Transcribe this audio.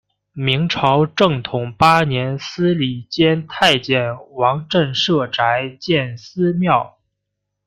明朝正统八年司礼监太监王振舍宅建私庙。